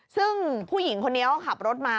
ซึ่งผู้หญิงคนนี้ก็ขับรถมา